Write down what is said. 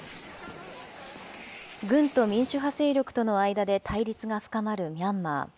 軍と民主派勢力との間で対立が深まるミャンマー。